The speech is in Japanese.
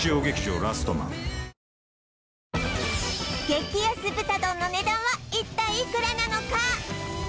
」激安豚丼の値段は一体いくらなのか？